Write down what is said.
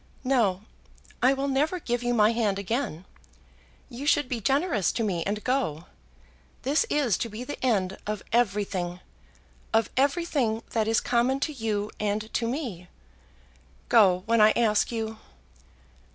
"No; I will never give you my hand again. You should be generous to me and go. This is to be the end of everything, of everything that is common to you and to me. Go, when I ask you."